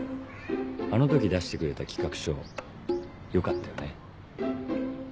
あの時出してくれた企画書良かったよね。